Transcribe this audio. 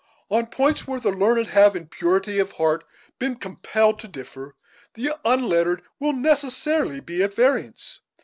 On points where the learned have, in purity of heart, been compelled to differ, the unlettered will necessarily be at variance.